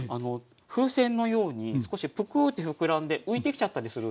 風船のように少しプクッってふくらんで浮いてきちゃったりするんですよ。